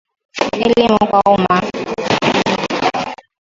Elimu kwa umma